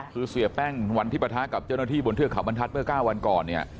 คือเสียแป้งวันที่ปะทะกับเจ้าหน้าที่บนเทือกเขาบรรทัศน์เมื่อ๙วันก่อนเนี่ย